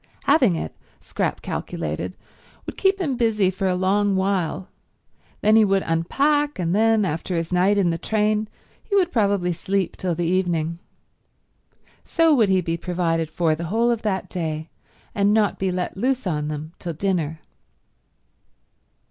Having it, Scrap calculated, would keep him busy for a long while. Then he would unpack, and then, after his night in the train, he would probably sleep till the evening. So would he be provided for the whole of that day, and not be let loose on them till dinner.